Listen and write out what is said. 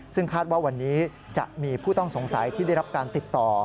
ซึ่งคาดว่าวันนี้จะมีผู้ต้องสงสัยที่ได้รับการติดต่อ